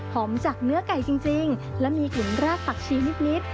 จากเนื้อไก่จริงและมีกลิ่นรากผักชีนิด